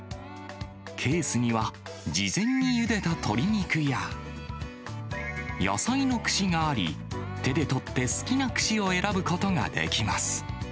ケースには、事前にゆでた鶏肉や、野菜の串があり、手で取って好きな串を選ぶことができます。